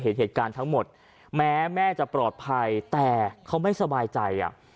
เห็นเหตุการณ์ทั้งหมดแม้แม่จะปลอดภัยแต่เขาไม่สบายใจอ่ะ